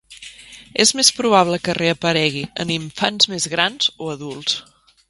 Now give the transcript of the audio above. És més probable que reaparegui en infants més grans o adults.